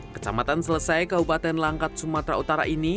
kecamatan selesai kabupaten langkat sumatera utara ini